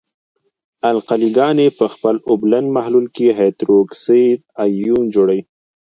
القلې ګاني په خپل اوبلن محلول کې هایدروکساید آیون جوړوي.